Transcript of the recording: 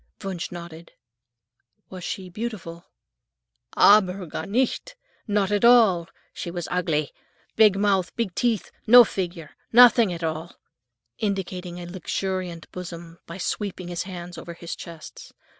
Wunsch nodded. "Was she beautiful?" "Aber gar nicht! Not at all. She was ugly; big mouth, big teeth, no figure, nothing at all," indicating a luxuriant bosom by sweeping his hands over his chest.